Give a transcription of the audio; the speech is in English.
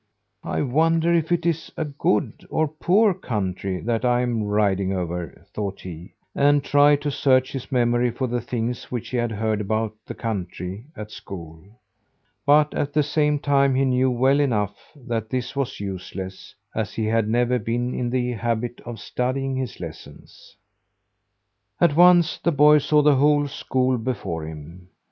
"I wonder if it is a good, or a poor country that I'm riding over," thought he, and tried to search his memory for the things which he had heard about the country at school. But at the same time he knew well enough that this was useless, as he had never been in the habit of studying his lessons. At once the boy saw the whole school before him.